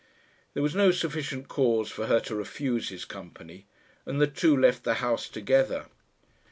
There was no sufficient cause for her to refuse his company, and the two left the house together.